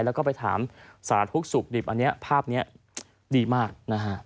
แล้วก็ไปถามสาธุสุขดิบอันนี้ภาพนี้ดีมากนะฮะ